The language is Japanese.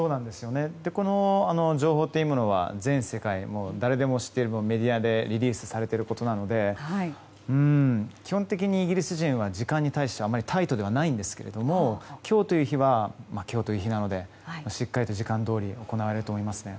この情報というものは全世界、誰でも知っているメディアでリリースされていることなので基本的にイギリス人は時間に対してタイトではないんですけど今日という日なのでしっかりと時間どおり行われると思いますね。